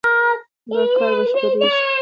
دا کار بشپړېږي.